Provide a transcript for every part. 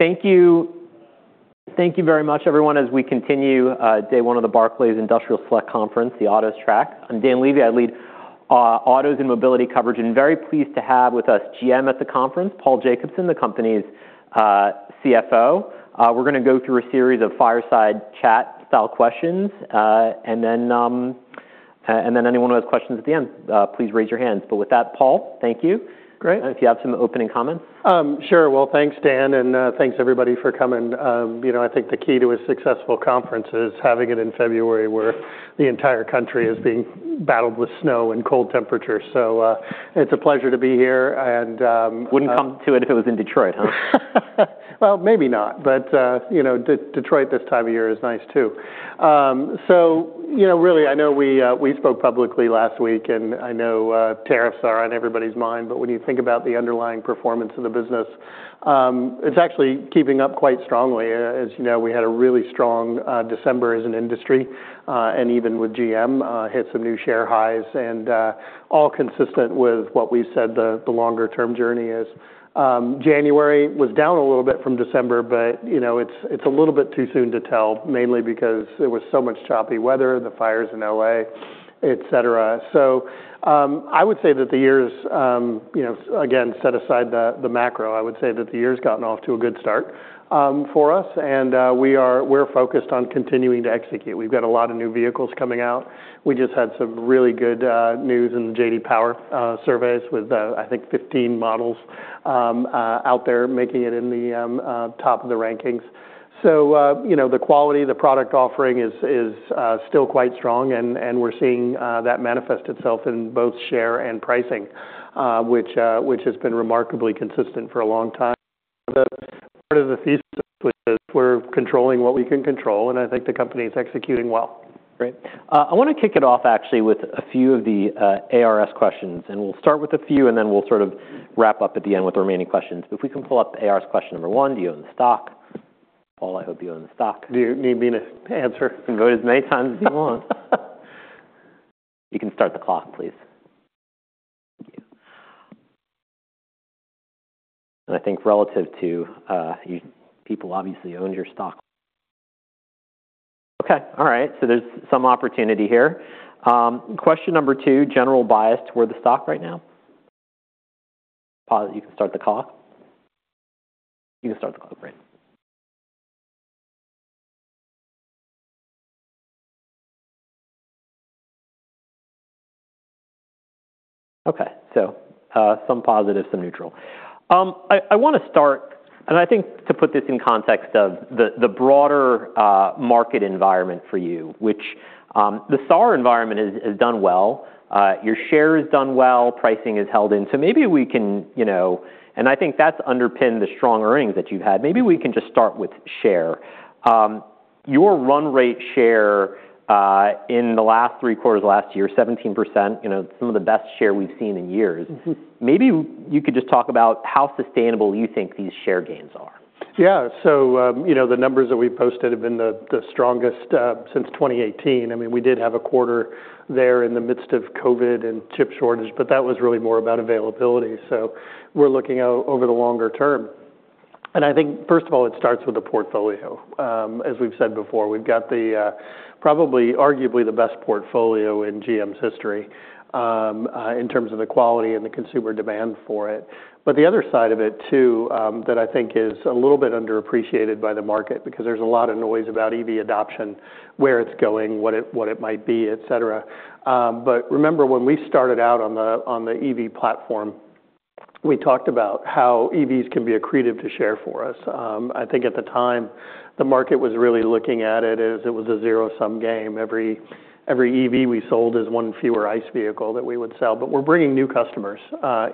Thank you. Thank you very much, everyone, as we continue Day One of the Barclays Industrial Select Conference, the Autos Track. I'm Dan Levy. I lead Autos and Mobility Coverage, and I'm very pleased to have with us GM at the conference, Paul Jacobson, the company's CFO. We're going to go through a series of fireside chat-style questions, and then anyone who has questions at the end, please raise your hands. But with that, Paul, thank you. Great. If you have some opening comments. Sure. Well, thanks, Dan, and thanks, everybody, for coming. I think the key to a successful conference is having it in February, where the entire country is being battled with snow and cold temperatures. So it's a pleasure to be here. Wouldn't come to it if it was in Detroit, huh? Maybe not, but Detroit this time of year is nice, too. Really, I know we spoke publicly last week, and I know tariffs are on everybody's mind, but when you think about the underlying performance of the business, it's actually keeping up quite strongly. As you know, we had a really strong December as an industry, and even with GM, hit some new share highs, and all consistent with what we've said the longer-term journey is. January was down a little bit from December, but it's a little bit too soon to tell, mainly because it was so much choppy weather, the fires in L.A., et cetera. I would say that the year's, again, set aside the macro, I would say that the year's gotten off to a good start for us, and we're focused on continuing to execute. We've got a lot of new vehicles coming out. We just had some really good news in the J.D. Power surveys with, I think, 15 models out there making it in the top of the rankings so the quality, the product offering is still quite strong, and we're seeing that manifest itself in both share and pricing, which has been remarkably consistent for a long time. Part of the thesis is we're controlling what we can control, and I think the company is executing well. Great. I want to kick it off, actually, with a few of the ARS questions, and we'll start with a few, and then we'll sort of wrap up at the end with the remaining questions, but if we can pull up ARS question number one, do you own the stock? Paul, I hope you own the stock. Do you need me to answer? Go ahead as many times as you want. You can start the clock, please. I think relative to people obviously own your stock. Okay. All right. There's some opportunity here. Question number two, general bias to where the stock right now? You can start the clock. Great. Okay. Some positive, some neutral. I want to start, and I think to put this in context of the broader market environment for you, in which the SAR environment has done well. Your share has done well. Pricing has held in. Maybe we can, and I think that's underpinned the strong earnings that you've had. Maybe we can just start with share. Your run rate share in the last three quarters of last year, 17%, some of the best share we've seen in years. Maybe you could just talk about how sustainable you think these share gains are? Yeah, so the numbers that we posted have been the strongest since 2018. I mean, we did have a quarter there in the midst of COVID and chip shortage, but that was really more about availability, so we're looking over the longer term, and I think, first of all, it starts with the portfolio. As we've said before, we've got probably arguably the best portfolio in GM's history in terms of the quality and the consumer demand for it, but the other side of it, too, that I think is a little bit underappreciated by the market because there's a lot of noise about EV adoption, where it's going, what it might be, et cetera, but remember, when we started out on the EV platform, we talked about how EVs can be a creative to share for us. I think at the time, the market was really looking at it as it was a zero-sum game. Every EV we sold is one fewer ICE vehicle that we would sell, but we're bringing new customers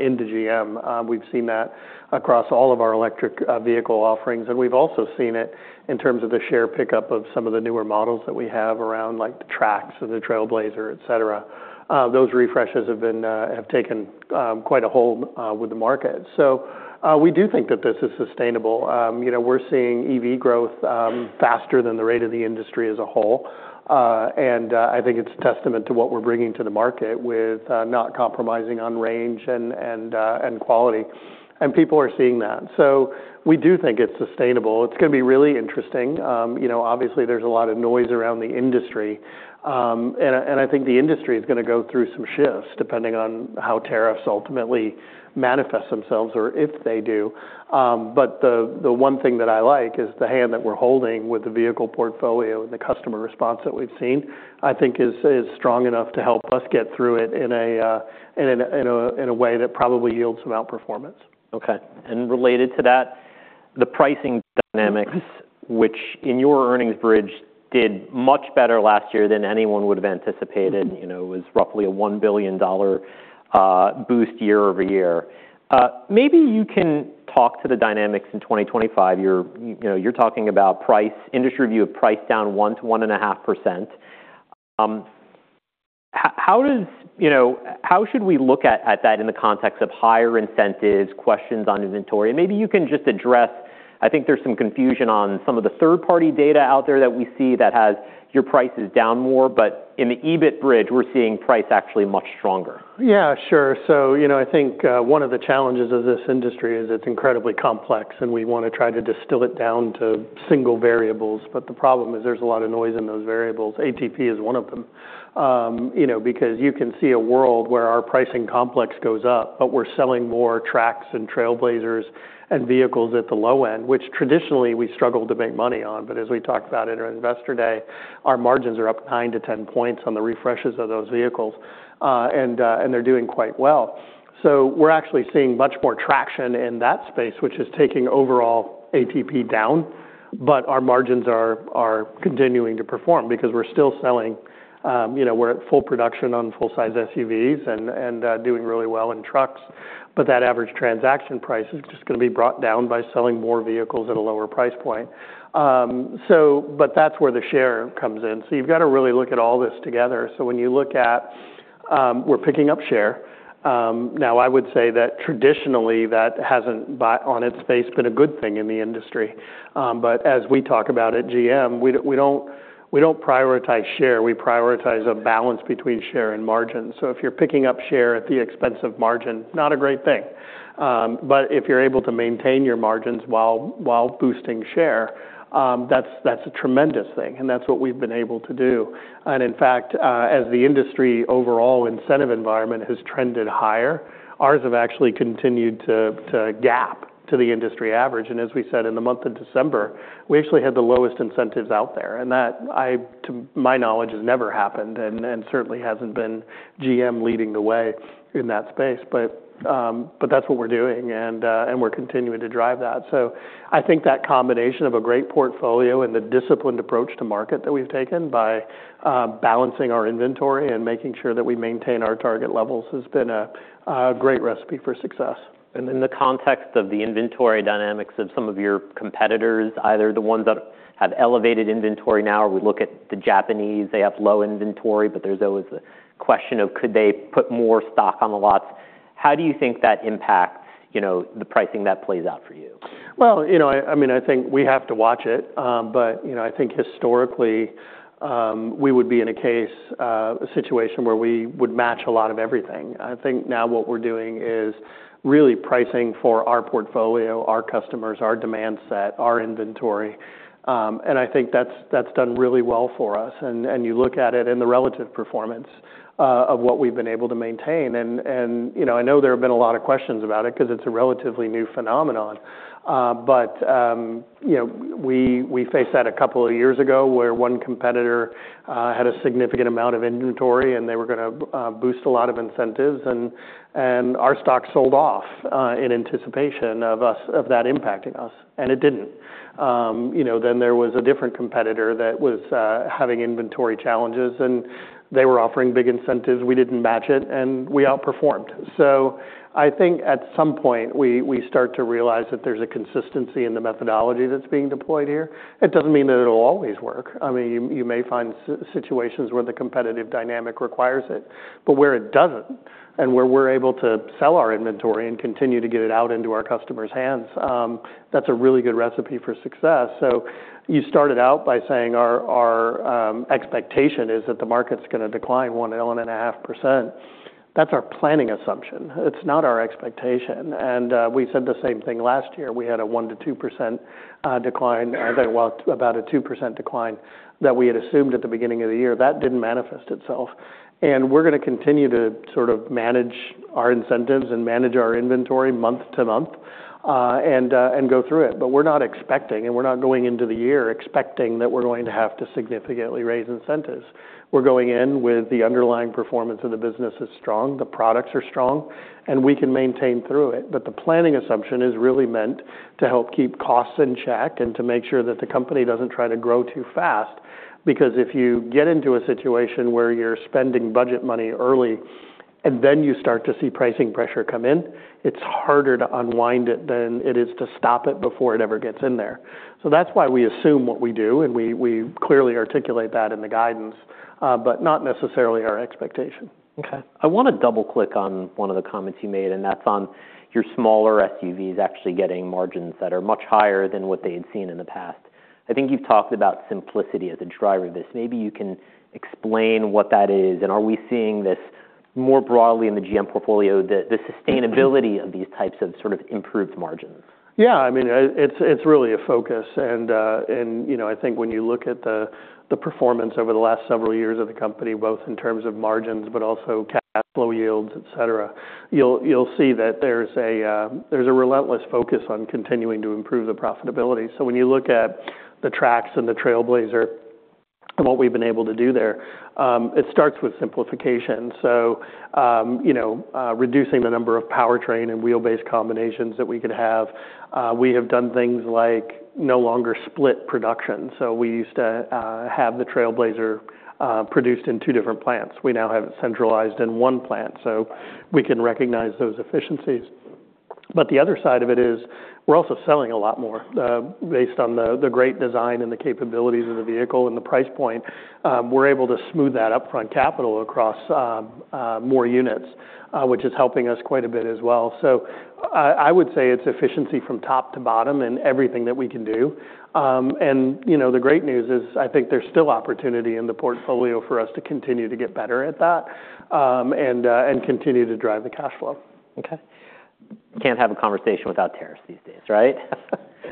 into GM. We've seen that across all of our electric vehicle offerings, and we've also seen it in terms of the share pickup of some of the newer models that we have around like the Trax or the Trailblazer, et cetera. Those refreshes have taken quite a hold with the market, so we do think that this is sustainable. We're seeing EV growth faster than the rate of the industry as a whole, and I think it's a testament to what we're bringing to the market with not compromising on range and quality, and people are seeing that, so we do think it's sustainable. It's going to be really interesting. Obviously, there's a lot of noise around the industry, and I think the industry is going to go through some shifts depending on how tariffs ultimately manifest themselves or if they do, but the one thing that I like is the hand that we're holding with the vehicle portfolio and the customer response that we've seen, I think is strong enough to help us get through it in a way that probably yields some outperformance. Okay. And related to that, the pricing dynamics, which in your earnings bridge did much better last year than anyone would have anticipated, was roughly a $1 billion boost year-over-year. Maybe you can talk to the dynamics in 2025. You're talking about price, industry view of price down 1%-1.5%. How should we look at that in the context of higher incentives, questions on inventory? Maybe you can just address. I think there's some confusion on some of the third-party data out there that we see that has your prices down more, but in the EBITDA bridge, we're seeing price actually much stronger. Yeah, sure. So I think one of the challenges of this industry is it's incredibly complex, and we want to try to distill it down to single variables. But the problem is there's a lot of noise in those variables. ATP is one of them because you can see a world where our pricing complex goes up, but we're selling more Trax and Trailblazers and vehicles at the low end, which traditionally we struggle to make money on. But as we talked about at our investor day, our margins are up 9-10 points on the refreshes of those vehicles, and they're doing quite well. So we're actually seeing much more traction in that space, which is taking overall ATP down, but our margins are continuing to perform because we're still selling. We're at full production on full-size SUVs and doing really well in trucks, but that average transaction price is just going to be brought down by selling more vehicles at a lower price point. But that's where the share comes in. So you've got to really look at all this together. So when you look at we're picking up share. Now, I would say that traditionally that hasn't, on its face, been a good thing in the industry. But as we talk about at GM, we don't prioritize share. We prioritize a balance between share and margin. So if you're picking up share at the expense of margin, not a great thing. But if you're able to maintain your margins while boosting share, that's a tremendous thing, and that's what we've been able to do. And in fact, as the industry overall incentive environment has trended higher, ours have actually continued to gap to the industry average. And as we said in the month of December, we actually had the lowest incentives out there, and that, to my knowledge, has never happened and certainly hasn't been GM leading the way in that space. But that's what we're doing, and we're continuing to drive that. So I think that combination of a great portfolio and the disciplined approach to market that we've taken by balancing our inventory and making sure that we maintain our target levels has been a great recipe for success. And in the context of the inventory dynamics of some of your competitors, either the ones that have elevated inventory now, or we look at the Japanese, they have low inventory, but there's always the question of could they put more stock on the lots. How do you think that impacts the pricing that plays out for you? Well, I mean, I think we have to watch it, but I think historically we would be in a case, a situation where we would match a lot of everything. I think now what we're doing is really pricing for our portfolio, our customers, our demand set, our inventory. And I think that's done really well for us. And you look at it in the relative performance of what we've been able to maintain. And I know there have been a lot of questions about it because it's a relatively new phenomenon. But we faced that a couple of years ago where one competitor had a significant amount of inventory, and they were going to boost a lot of incentives, and our stock sold off in anticipation of that impacting us, and it didn't. Then there was a different competitor that was having inventory challenges, and they were offering big incentives. We didn't match it, and we outperformed. So I think at some point we start to realize that there's a consistency in the methodology that's being deployed here. It doesn't mean that it'll always work. I mean, you may find situations where the competitive dynamic requires it, but where it doesn't and where we're able to sell our inventory and continue to get it out into our customers' hands, that's a really good recipe for success. So you started out by saying our expectation is that the market's going to decline 1-1.5%. That's our planning assumption. It's not our expectation. And we said the same thing last year. We had a 1-2% decline, about a 2% decline that we had assumed at the beginning of the year. That didn't manifest itself, and we're going to continue to sort of manage our incentives and manage our inventory month-to-month and go through it, but we're not expecting, and we're not going into the year expecting that we're going to have to significantly raise incentives. We're going in with the underlying performance of the business is strong, the products are strong, and we can maintain through it, but the planning assumption is really meant to help keep costs in check and to make sure that the company doesn't try to grow too fast because if you get into a situation where you're spending budget money early and then you start to see pricing pressure come in, it's harder to unwind it than it is to stop it before it ever gets in there. So that's why we assume what we do, and we clearly articulate that in the guidance, but not necessarily our expectation. Okay. I want to double-click on one of the comments you made, and that's on your smaller SUVs actually getting margins that are much higher than what they had seen in the past. I think you've talked about simplicity as a driver of this. Maybe you can explain what that is, and are we seeing this more broadly in the GM portfolio, the sustainability of these types of sort of improved margins? Yeah. I mean, it's really a focus, and I think when you look at the performance over the last several years of the company, both in terms of margins, but also cash flow yields, et cetera, you'll see that there's a relentless focus on continuing to improve the profitability. So when you look at the Trax and the Trailblazer and what we've been able to do there, it starts with simplification, so reducing the number of powertrain and wheelbase combinations that we could have. We have done things like no longer split production. So we used to have the Trailblazer produced in two different plants. We now have it centralized in one plant so we can recognize those efficiencies. But the other side of it is we're also selling a lot more. Based on the great design and the capabilities of the vehicle and the price point, we're able to smooth that upfront capital across more units, which is helping us quite a bit as well. So I would say it's efficiency from top to bottom in everything that we can do. And the great news is I think there's still opportunity in the portfolio for us to continue to get better at that and continue to drive the cash flow. Okay. Can't have a conversation without tariffs these days, right?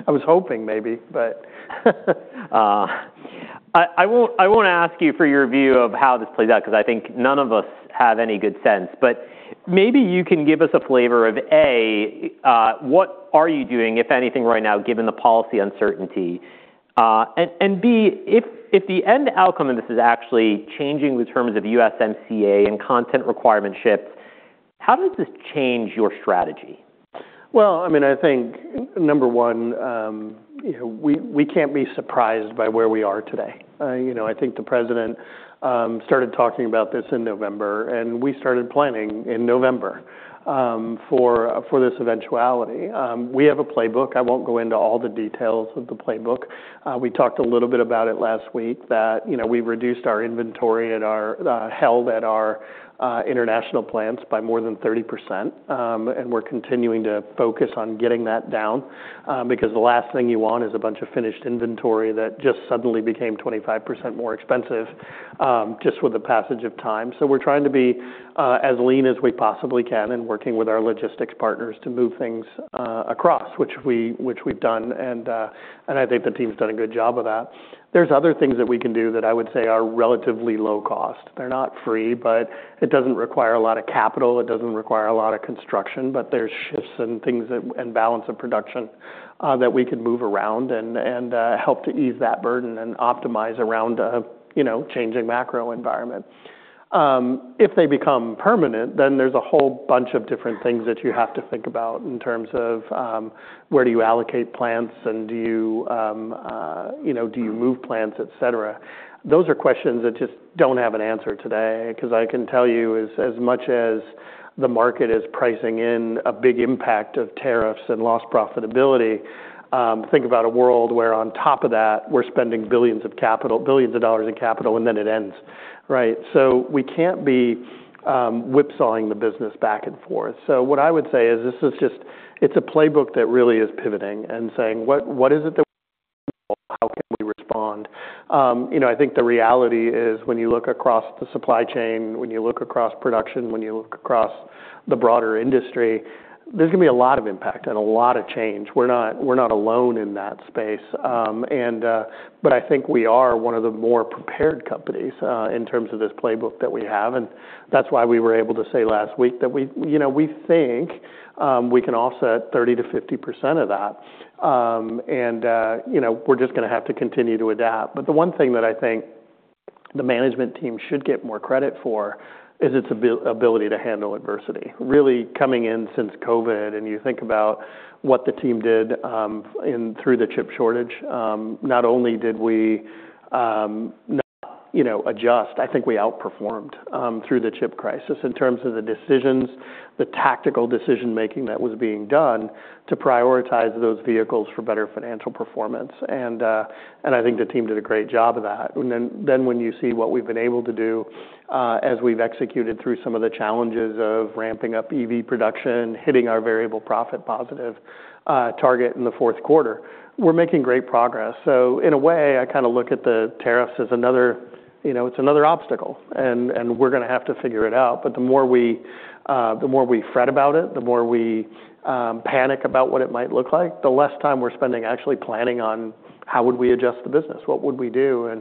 I was hoping maybe, but. I won't ask you for your view of how this plays out because I think none of us have any good sense. But maybe you can give us a flavor of A, what are you doing, if anything, right now given the policy uncertainty? And B, if the end outcome of this is actually changing the terms of USMCA and content requirement shifts, how does this change your strategy? Well, I mean, I think number one, we can't be surprised by where we are today. I think the president started talking about this in November, and we started planning in November for this eventuality. We have a playbook. I won't go into all the details of the playbook. We talked a little bit about it last week that we reduced our inventory held at our international plants by more than 30%, and we're continuing to focus on getting that down because the last thing you want is a bunch of finished inventory that just suddenly became 25% more expensive just with the passage of time. So we're trying to be as lean as we possibly can and working with our logistics partners to move things across, which we've done, and I think the team's done a good job of that. There's other things that we can do that I would say are relatively low cost. They're not free, but it doesn't require a lot of capital. It doesn't require a lot of construction, but there's shifts and things and balance of production that we can move around and help to ease that burden and optimize around a changing macro environment. If they become permanent, then there's a whole bunch of different things that you have to think about in terms of where do you allocate plants and do you move plants, et cetera. Those are questions that just don't have an answer today because I can tell you as much as the market is pricing in a big impact of tariffs and lost profitability, think about a world where on top of that we're spending billions of dollars in capital, and then it ends, right? We can't be whipsawing the business back and forth. What I would say is this is just, it's a playbook that really is pivoting and saying what is it that we can do, how can we respond? I think the reality is when you look across the supply chain, when you look across production, when you look across the broader industry, there's going to be a lot of impact and a lot of change. We're not alone in that space. But I think we are one of the more prepared companies in terms of this playbook that we have, and that's why we were able to say last week that we think we can offset 30%-50% of that, and we're just going to have to continue to adapt. But the one thing that I think the management team should get more credit for is its ability to handle adversity. Really coming in since COVID, and you think about what the team did through the chip shortage, not only did we not adjust, I think we outperformed through the chip crisis in terms of the decisions, the tactical decision-making that was being done to prioritize those vehicles for better financial performance. And I think the team did a great job of that. And then when you see what we've been able to do as we've executed through some of the challenges of ramping up EV production, hitting our variable profit positive target in the Q4, we're making great progress. So in a way, I kind of look at the tariffs as another, it's another obstacle, and we're going to have to figure it out. But the more we fret about it, the more we panic about what it might look like, the less time we're spending actually planning on how would we adjust the business, what would we do.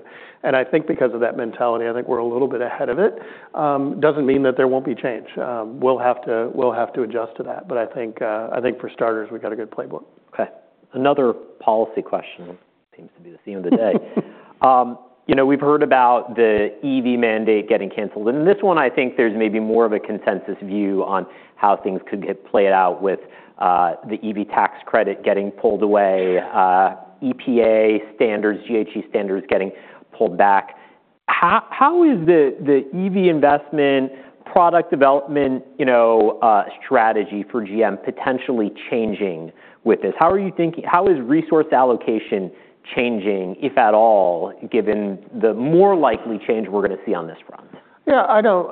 And I think because of that mentality, I think we're a little bit ahead of it. Doesn't mean that there won't be change. We'll have to adjust to that. But I think for starters, we've got a good playbook. Okay. Another policy question seems to be the theme of the day. We've heard about the EV mandate getting canceled, and in this one, I think there's maybe more of a consensus view on how things could play out with the EV tax credit getting pulled away, EPA standards, GHG standards getting pulled back. How is the EV investment product development strategy for GM potentially changing with this? How are you thinking, how is resource allocation changing, if at all, given the more likely change we're going to see on this front? Yeah. I don't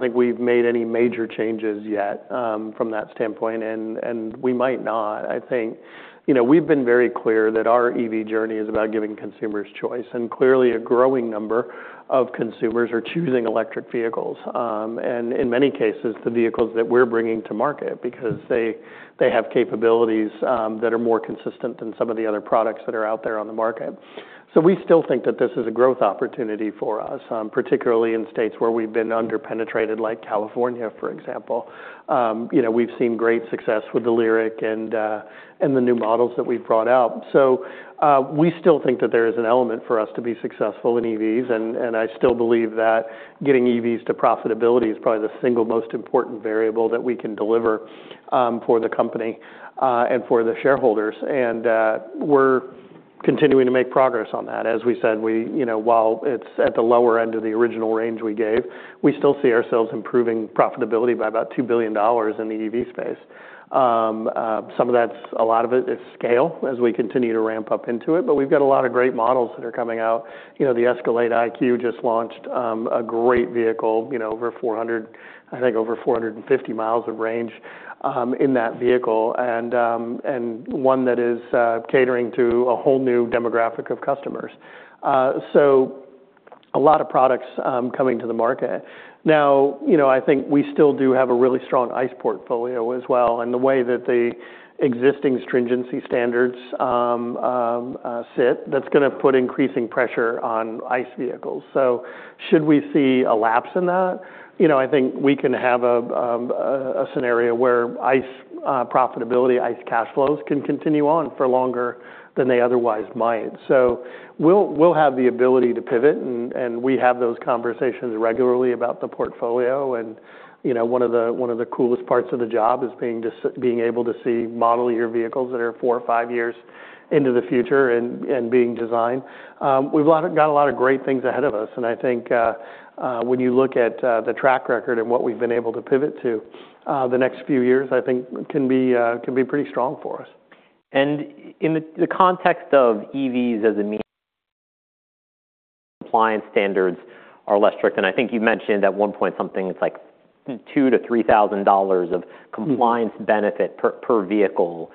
think we've made any major changes yet from that standpoint, and we might not. I think we've been very clear that our EV journey is about giving consumers choice, and clearly a growing number of consumers are choosing electric vehicles, and in many cases, the vehicles that we're bringing to market because they have capabilities that are more consistent than some of the other products that are out there on the market, so we still think that this is a growth opportunity for us, particularly in states where we've been under-penetrated like California, for example. We've seen great success with the LYRIQ and the new models that we've brought out. So we still think that there is an element for us to be successful in EVs, and I still believe that getting EVs to profitability is probably the single most important variable that we can deliver for the company and for the shareholders. And we're continuing to make progress on that. As we said, while it's at the lower end of the original range we gave, we still see ourselves improving profitability by about $2 billion in the EV space. Some of that, a lot of it is scale as we continue to ramp up into it, but we've got a lot of great models that are coming out. The Escalade IQ just launched a great vehicle, I think over 450 miles of range in that vehicle and one that is catering to a whole new demographic of customers. So a lot of products coming to the market. Now, I think we still do have a really strong ICE portfolio as well, and the way that the existing stringency standards sit, that's going to put increasing pressure on ICE vehicles, so should we see a lapse in that? I think we can have a scenario where ICE profitability, ICE cash flows can continue on for longer than they otherwise might, so we'll have the ability to pivot, and we have those conversations regularly about the portfolio, and one of the coolest parts of the job is being able to see model year vehicles that are four or five years into the future and being designed. We've got a lot of great things ahead of us, and I think when you look at the track record and what we've been able to pivot to the next few years, I think can be pretty strong for us. In the context of EVs as a means, compliance standards are less strict. I think you mentioned at one point something like $2,000-$3,000 of compliance benefit per vehicle.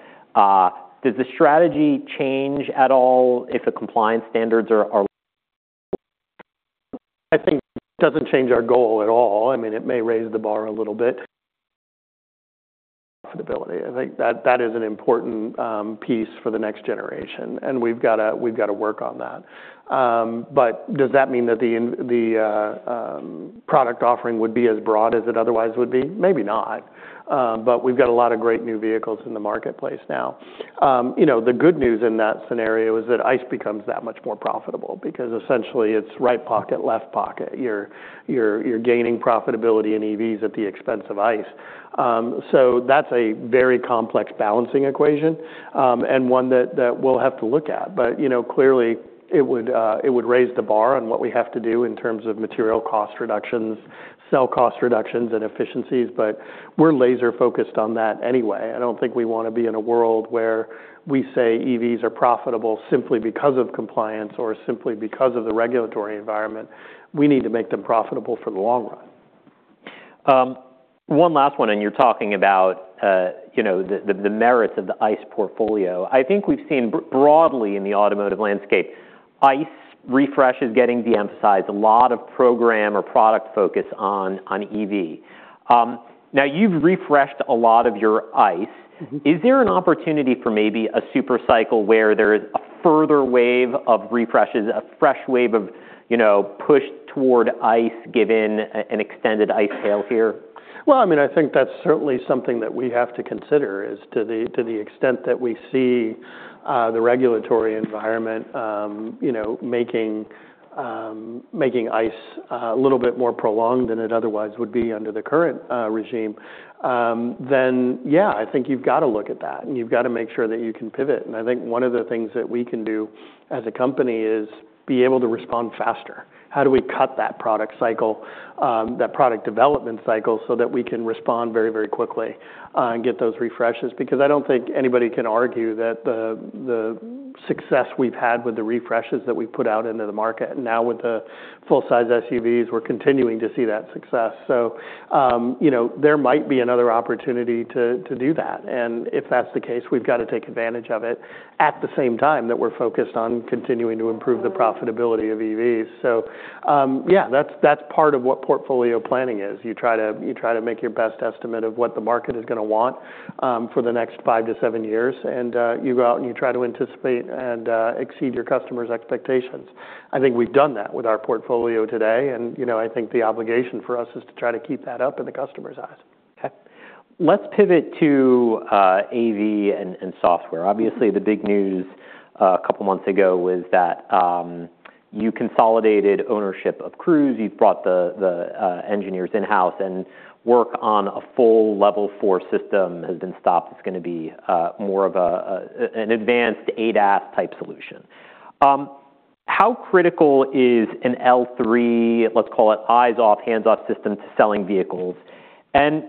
Does the strategy change at all if the compliance standards are? I think it doesn't change our goal at all. I mean, it may raise the bar a little bit for profitability. I think that is an important piece for the next generation, and we've got to work on that. But does that mean that the product offering would be as broad as it otherwise would be? Maybe not. But we've got a lot of great new vehicles in the marketplace now. The good news in that scenario is that ICE becomes that much more profitable because essentially it's right pocket, left pocket. You're gaining profitability in EVs at the expense of ICE. So that's a very complex balancing equation and one that we'll have to look at. But clearly, it would raise the bar on what we have to do in terms of material cost reductions, sell cost reductions, and efficiencies, but we're laser-focused on that anyway. I don't think we want to be in a world where we say EVs are profitable simply because of compliance or simply because of the regulatory environment. We need to make them profitable for the long run. One last one, and you're talking about the merits of the ICE portfolio. I think we've seen broadly in the automotive landscape, ICE refresh is getting de-emphasized, a lot of program or product focus on EV. Now, you've refreshed a lot of your ICE. Is there an opportunity for maybe a supercycle where there is a further wave of refreshes, a fresh wave of push toward ICE given an extended ICE tail here? Well, I mean, I think that's certainly something that we have to consider is to the extent that we see the regulatory environment making ICE a little bit more prolonged than it otherwise would be under the current regime, then yeah, I think you've got to look at that and you've got to make sure that you can pivot. And I think one of the things that we can do as a company is be able to respond faster. How do we cut that product cycle, that product development cycle so that we can respond very, very quickly and get those refreshes? Because I don't think anybody can argue that the success we've had with the refreshes that we've put out into the market and now with the full-size SUVs, we're continuing to see that success. So there might be another opportunity to do that. And if that's the case, we've got to take advantage of it at the same time that we're focused on continuing to improve the profitability of EVs. So yeah, that's part of what portfolio planning is. You try to make your best estimate of what the market is going to want for the next five to seven years, and you go out and you try to anticipate and exceed your customers' expectations. I think we've done that with our portfolio today, and I think the obligation for us is to try to keep that up in the customer's eyes. Okay. Let's pivot to AV and software. Obviously, the big news a couple of months ago was that you consolidated ownership of Cruise. You've brought the engineers in-house, and work on a full Level 4 system has been stopped. It's going to be more of an advanced ADAS-type solution. How critical is an L3, let's call it eyes-off, hands-off system to selling vehicles? And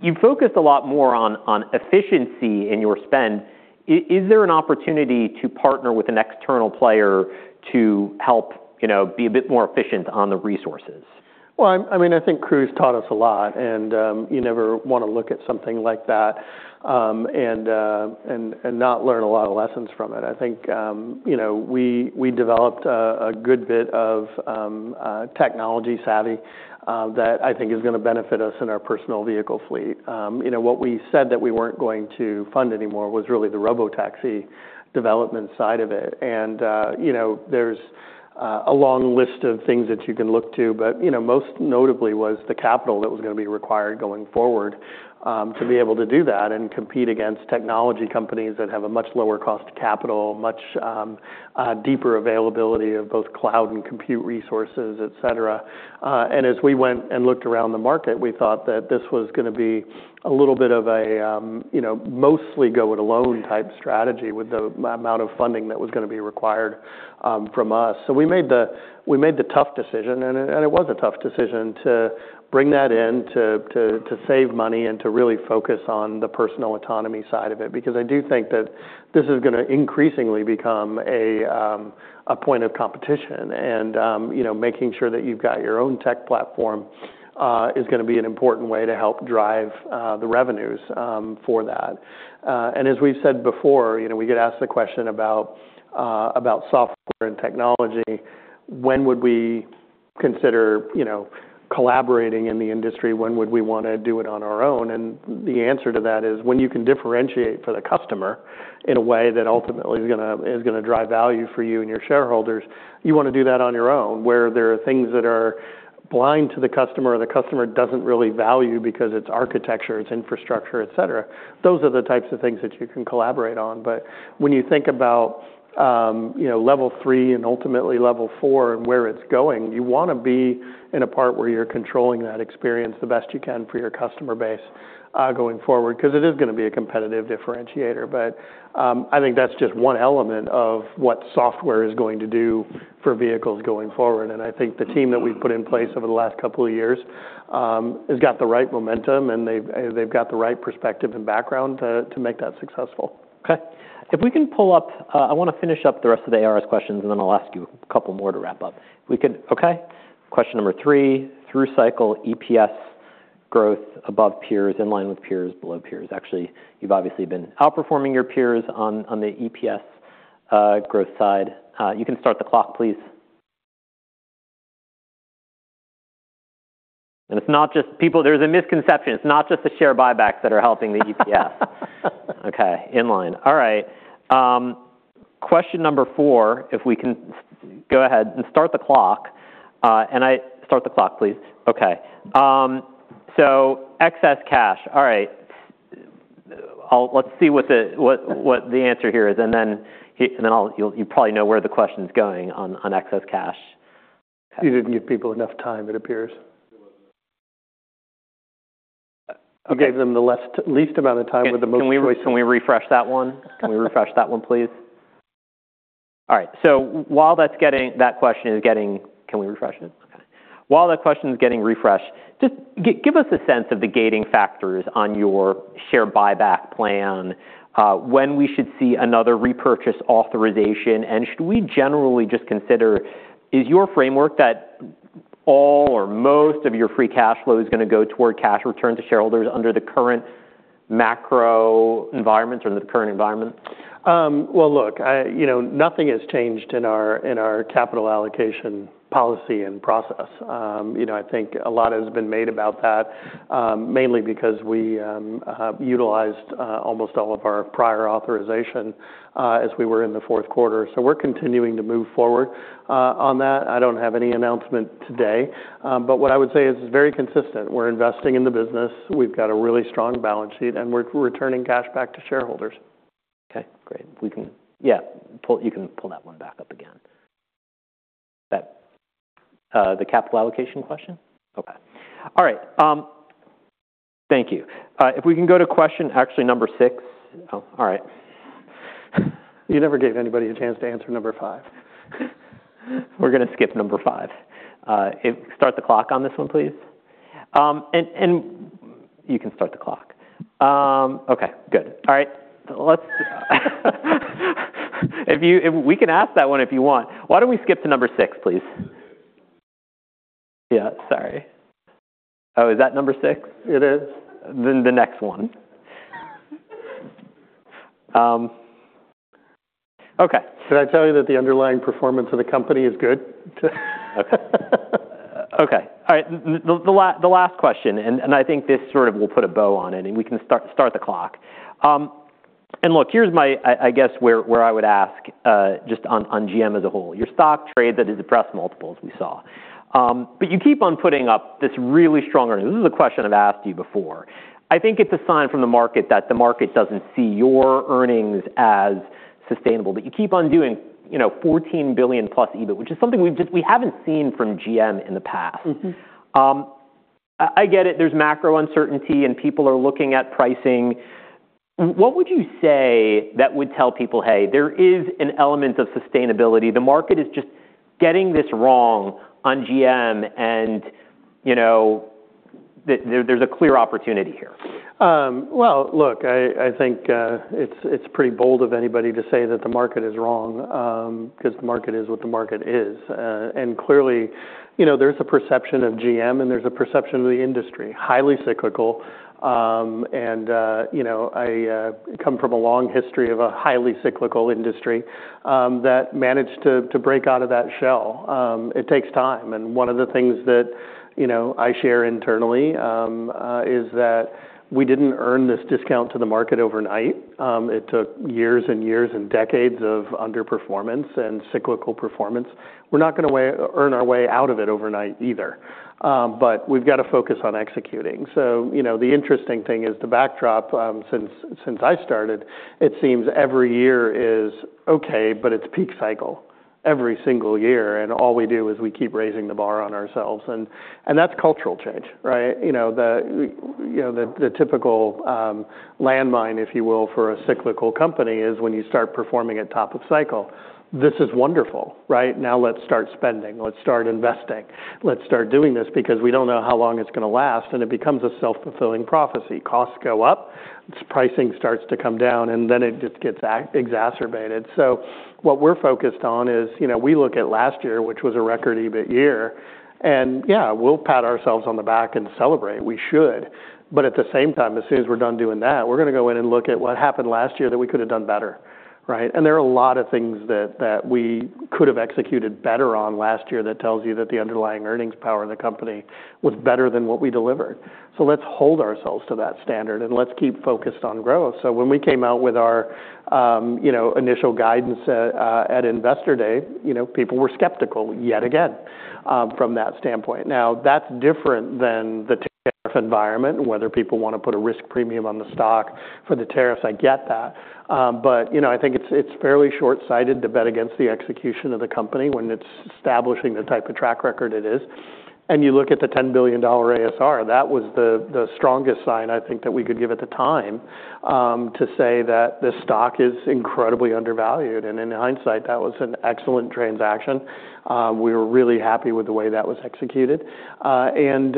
you focused a lot more on efficiency in your spend. Is there an opportunity to partner with an external player to help be a bit more efficient on the resources? Well, I mean, I think Cruise taught us a lot, and you never want to look at something like that and not learn a lot of lessons from it. I think we developed a good bit of technology savvy that I think is going to benefit us in our personal vehicle fleet. What we said that we weren't going to fund anymore was really the robotaxi development side of it. And there's a long list of things that you can look to, but most notably was the capital that was going to be required going forward to be able to do that and compete against technology companies that have a much lower cost capital, much deeper availability of both cloud and compute resources, et cetera. And as we went and looked around the market, we thought that this was going to be a little bit of a mostly go-it-alone type strategy with the amount of funding that was going to be required from us. So we made the tough decision, and it was a tough decision to bring that in to save money and to really focus on the personal autonomy side of it because I do think that this is going to increasingly become a point of competition. And making sure that you've got your own tech platform is going to be an important way to help drive the revenues for that. And as we've said before, we get asked the question about software and technology, when would we consider collaborating in the industry, when would we want to do it on our own? And the answer to that is when you can differentiate for the customer in a way that ultimately is going to drive value for you and your shareholders, you want to do that on your own. Where there are things that are blind to the customer or the customer doesn't really value because it's architecture, it's infrastructure, et cetera, those are the types of things that you can collaborate on. But when you think about Level 3 and ultimately Level 4 and where it's going, you want to be in a part where you're controlling that experience the best you can for your customer base going forward because it is going to be a competitive differentiator. But I think that's just one element of what software is going to do for vehicles going forward. I think the team that we've put in place over the last couple of years has got the right momentum, and they've got the right perspective and background to make that successful. Okay. I want to finish up the rest of the ARS questions, and then I'll ask you a couple more to wrap up. Okay. Question number three, through cycle EPS growth above peers, in line with peers, below peers. Actually, you've obviously been outperforming your peers on the EPS growth side. You can start the clock, please. And it's not just people, there's a misconception. It's not just the share buybacks that are helping the EPS. Okay. In line. All right. Question number four, if we can go ahead and start the clock, please. Okay. So excess cash. All right. Let's see what the answer here is. And then you probably know where the question's going on excess cash. You didn't give people enough time, it appears. You gave them the least amount of time with the most choice. Can we refresh that one? Can we refresh that one, please? All right. So while that question is getting, can we refresh it? Okay. While that question's getting refreshed, just give us a sense of the gating factors on your share buyback plan, when we should see another repurchase authorization, and should we generally just consider is your framework that all or most of your free cash flow is going to go toward cash return to shareholders under the current macro environment or the current environment? Look, nothing has changed in our capital allocation policy and process. I think a lot has been made about that, mainly because we utilized almost all of our prior authorization as we were in the Q4. So we're continuing to move forward on that. I don't have any announcement today, but what I would say is it's very consistent. We're investing in the business. We've got a really strong balance sheet, and we're returning cash back to shareholders. Okay. Great. Yeah. You can pull that one back up again. The capital allocation question? Okay. All right. Thank you. If we can go to question, actually number six. Oh, all right. You never gave anybody a chance to answer number five. We're going to skip number five. Start the clock on this one, please. And you can start the clock. Okay. Good. All right. We can ask that one if you want. Why don't we skip to number six, please? Yeah. Sorry. Oh, is that number six? It is. Then the next one. Okay. Should I tell you that the underlying performance of the company is good? Okay. All right. The last question, and I think this sort of will put a bow on it, and we can start the clock. And look, here's my, I guess, where I would ask just on GM as a whole. Your stock trades at its depressed multiples, we saw. But you keep on putting up this really strong earnings. This is a question I've asked you before. I think it's a sign from the market that the market doesn't see your earnings as sustainable, but you keep on doing 14 billion plus EBITDA, which is something we haven't seen from GM in the past. I get it. There's macro uncertainty, and people are looking at pricing. What would you say that would tell people, "Hey, there is an element of sustainability. The market is just getting this wrong on GM, and there's a clear opportunity here"? Look, I think it's pretty bold of anybody to say that the market is wrong because the market is what the market is. Clearly, there's a perception of GM, and there's a perception of the industry, highly cyclical. I come from a long history of a highly cyclical industry that managed to break out of that shell. It takes time. One of the things that I share internally is that we didn't earn this discount to the market overnight. It took years and years and decades of underperformance and cyclical performance. We're not going to earn our way out of it overnight either, but we've got to focus on executing. The interesting thing is the backdrop, since I started. It seems every year is okay, but it's peak cycle every single year, and all we do is we keep raising the bar on ourselves. That's cultural change, right? The typical landmine, if you will, for a cyclical company is when you start performing at top of cycle. This is wonderful, right? Now let's start spending. Let's start investing. Let's start doing this because we don't know how long it's going to last, and it becomes a self-fulfilling prophecy. Costs go up, pricing starts to come down, and then it just gets exacerbated. What we're focused on is we look at last year, which was a record EBITDA year, and yeah, we'll pat ourselves on the back and celebrate. We should. At the same time, as soon as we're done doing that, we're going to go in and look at what happened last year that we could have done better, right? And there are a lot of things that we could have executed better on last year that tells you that the underlying earnings power of the company was better than what we delivered. So let's hold ourselves to that standard, and let's keep focused on growth. So when we came out with our initial guidance at Investor Day, people were skeptical yet again from that standpoint. Now, that's different than the tariff environment, whether people want to put a risk premium on the stock for the tariffs, I get that. But I think it's fairly short-sighted to bet against the execution of the company when it's establishing the type of track record it is. And you look at the $10 billion ASR, that was the strongest sign I think that we could give at the time to say that this stock is incredibly undervalued. And in hindsight, that was an excellent transaction. We were really happy with the way that was executed. And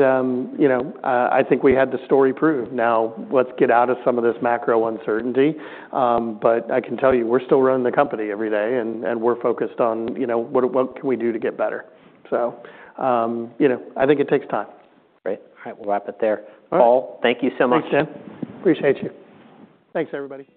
I think we had the story proven. Now, let's get out of some of this macro uncertainty. But I can tell you, we're still running the company every day, and we're focused on what can we do to get better. So I think it takes time. Great. All right. We'll wrap it there. Paul, thank you so much. Thanks, Dan. Appreciate you. Thanks, everybody.